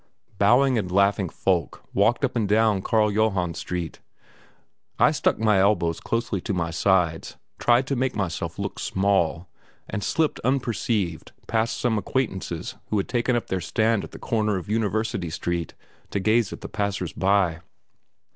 Bowing and laughing folk walked up and down Carl Johann Street. I stuck my elbows closely to my sides, tried to make myself look small, and slipped unperceived past some acquaintances who had taken up their stand at the corner of University Street to gaze at the passers by.